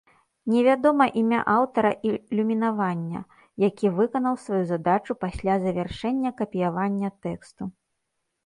Не вядома імя аўтара ілюмінавання, які выканаў сваю задачу пасля завяршэння капіявання тэксту.